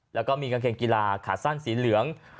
แล้วก็มีกางเกงกีฬาขาสั้นสีเหลือง